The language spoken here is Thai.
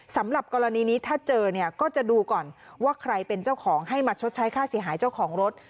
สำหรับกรณีนี้ถ้าเจอเนี่ยก็จะดูก่อนว่าใครเป็นเจ้าของให้มาชดใช้ค่าเสียหายเจ้าของรถ